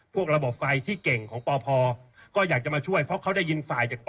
ระบบไฟที่เก่งของปพก็อยากจะมาช่วยเพราะเขาได้ยินฝ่ายจากป